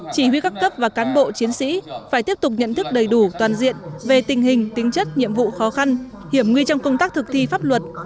chỉ huy các cấp và cán bộ chiến sĩ phải tiếp tục nhận thức đầy đủ toàn diện về tình hình tính chất nhiệm vụ khó khăn hiểm nguy trong công tác thực thi pháp luật